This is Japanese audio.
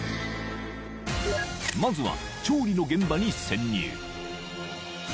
［まずは調理の現場に潜入］